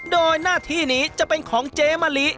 โดยหน้าที่นี้จะเป็นของเจ๊มะลิ